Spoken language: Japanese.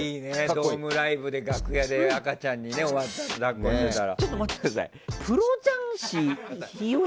ドームライブで楽屋で赤ちゃんに終わったあと抱っこしてたら。